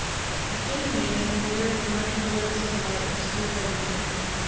A thin haze and the glare of the mighty globes of light obscured everything.